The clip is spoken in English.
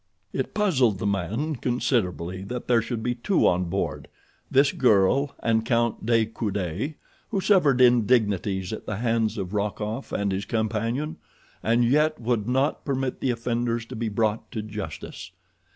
It puzzled the man considerably that there should be two on board—this girl and Count de Coude—who suffered indignities at the hands of Rokoff and his companion, and yet would not permit the offenders to be brought to justice.